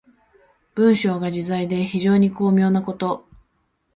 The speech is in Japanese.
文章が自在で非常に巧妙なこと。